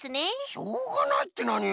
しょうがないってなによ。